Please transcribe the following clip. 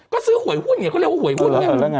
ก็ซื้อหวยหุ้นไงเขาเรียกว่าหวยหุ้นไง